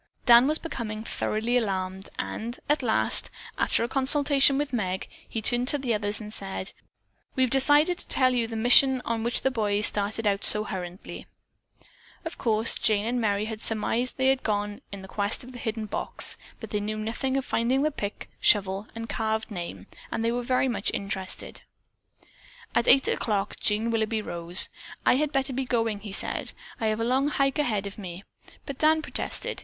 Dan was becoming thoroughly alarmed and, at last, after a consultation with Meg, he turned to the others and said: "We have decided to tell you the mission on which the boys started out so hurriedly." Of course Jane and Merry had surmised that they had gone in quest of the hidden box, but they knew nothing of the finding of the pick, shovel and carved name, and they were much interested. At eight o'clock Jean Willoughby rose. "I had better be going," he said. "I have a long hike ahead of me." But Dan protested.